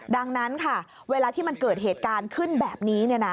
ดังนั้นค่ะเวลาที่มันเกิดเหตุการณ์ขึ้นแบบนี้